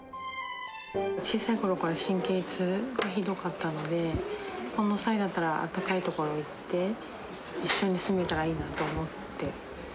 小さいころから神経痛がひどかったので、この際だったら、あったかい所に行って、一緒に住めたらいいなと思って。